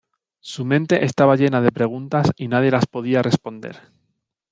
Su mente estaba llena de preguntas y nadie las podía responder.